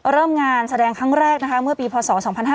เริ่มงานแสดงครั้งแรกนะคะเมื่อปีพศ๒๕๕๙